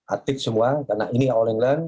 atik semua karena ini all in one